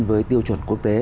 với tiêu chuẩn quốc tế